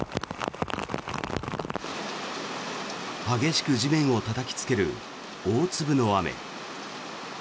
激しく地面をたたきつける大粒の雨。